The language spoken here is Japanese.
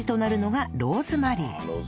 ああローズマリー。